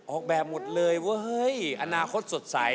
ออกแบบหมดเลยเว้ยอนาคตสดใส